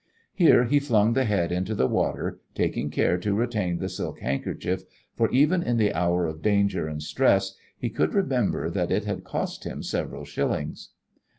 Here he flung the head into the water, taking care to retain the silk handkerchief, for even in the hour of danger and stress he could remember that it had cost him several shillings.